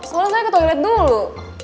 soalnya saya ke toilet dulu